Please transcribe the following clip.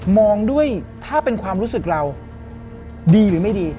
มองด้วยถ้าเป็นความรู้สึกเราดีหรือไม่ดี